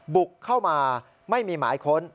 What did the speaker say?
บุกเข้ามาไม่มีหมายค้น